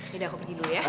yaudah aku pergi dulu ya